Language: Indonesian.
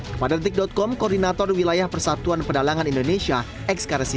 kepada detik com koordinator wilayah persatuan pedalangan indonesia ekskarasi